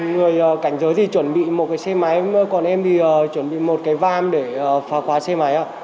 người cảnh giới thì chuẩn bị một cái xe máy còn em thì chuẩn bị một cái vam để phá khóa xe máy ạ